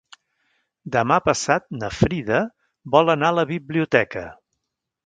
Demà passat na Frida vol anar a la biblioteca.